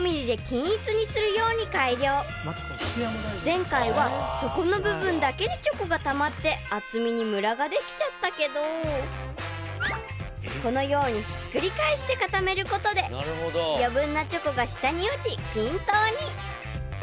［前回は底の部分だけにチョコがたまって厚みにむらができちゃったけどこのようにひっくり返して固めることで余分なチョコが下に落ち均等に］